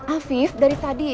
afif dari tadi